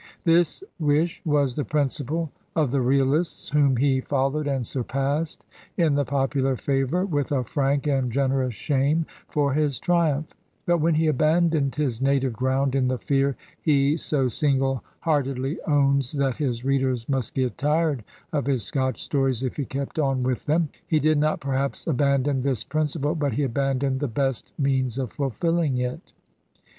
This wish was the principle of the realists whom he followed and surpassed in the popular favor, with a frank and generous shame for his triumph; but when he abandoned his native ground in the fear he so single heartedly owns that his readers must get tired of his Scotch stories if he kept on with them, he did not perhaps abandon this principle, but he abandoned the best means of fulfilling it.